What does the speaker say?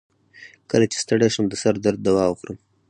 کله چې ستړی شم، د سر درد دوا خورم.